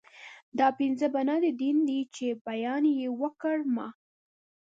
دا پنځه بنا د دين دي چې بیان يې وکړ ما